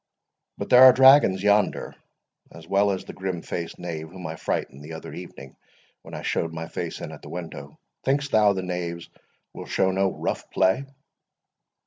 But there are dragoons yonder, as well as the grim faced knave whom I frightened the other evening when I showed my face in at the window. Think'st thou the knaves will show no rough play?"